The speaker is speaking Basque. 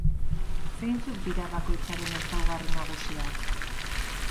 Zeintzuk dira bakoitzaren ezaugarri nagusiak?